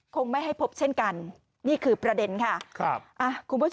คงไม่ให้พบเช่นกันนี่คือประเด็นค่ะ